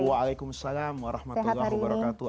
waalaikumsalam warahmatullahi wabarakatuh